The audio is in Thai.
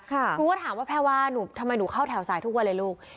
ครูก็ถามว่าแพรวาทำไมหนูเข้าแถวสายทุกวันเลยลูก